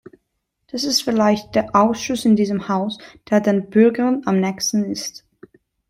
Das ist vielleicht der Ausschuss in diesem Haus, der den Bürgern am nächsten ist.